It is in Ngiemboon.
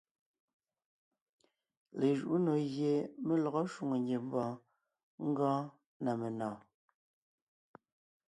Lejuʼú nò gie mé lɔgɔ shwòŋo ngiembɔɔn gɔɔn na menɔ̀ɔn.